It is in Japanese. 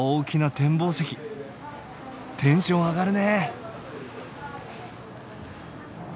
テンション上がるね。